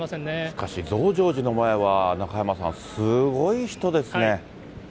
しかし、増上寺の前は、中山さん、すごい人ですね。